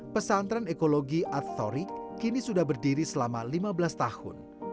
pesantren ekologi attorik kini sudah berdiri selama lima belas tahun